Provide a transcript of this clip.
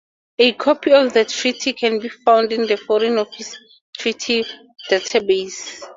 A copy of the treaty can be found in the Foreign Office treaty database.